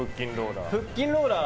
腹筋ローラー。